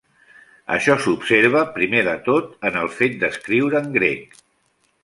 Això s'observa primer de tot en el fet d'escriure en grec.